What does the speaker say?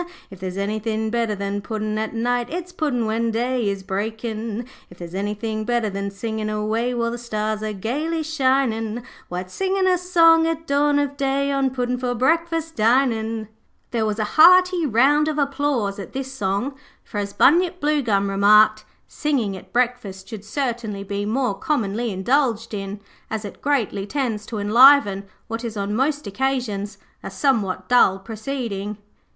If there's anythin' better than puddin' at night, It's puddin' when day is breakin'. 'If there's anythin' better than singin' away While the stars are gaily shinin', Why, it's singin' a song at dawn of day, On puddin' for breakfast dinin'.' There was a hearty round of applause at this song, for as Bunyip Bluegum remarked, 'Singing at breakfast should certainly be more commonly indulged in, as it greatly tends to enliven what is on most occasions a somewhat dull proceeding.'